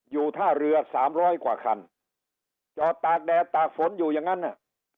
ท่าเรือสามร้อยกว่าคันจอดตากแดดตากฝนอยู่อย่างนั้นน่ะ